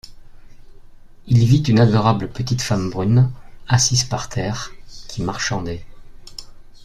Il vit une adorable petite femme brune, assise par terre, qui marchandait.